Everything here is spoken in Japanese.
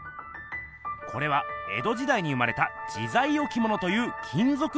これはえどじだいに生まれた「自在置物」という金ぞく